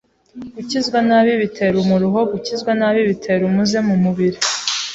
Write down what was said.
gukizwa nabi bitera umuruho, gukizwa nabi bitera umuze mu mubiri,